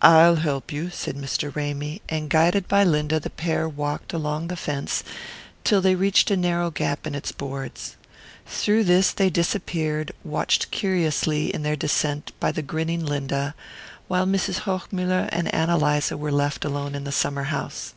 "I'll help you," said Mr. Ramy; and guided by Linda the pair walked along the fence till they reached a narrow gap in its boards. Through this they disappeared, watched curiously in their descent by the grinning Linda, while Mrs. Hochmuller and Ann Eliza were left alone in the summer house.